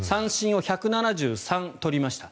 三振を１７３取りました。